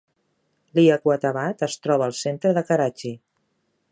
Liaquatabad es troba al centre de Karachi.